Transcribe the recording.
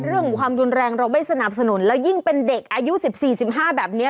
ความรุนแรงเราไม่สนับสนุนแล้วยิ่งเป็นเด็กอายุ๑๔๑๕แบบนี้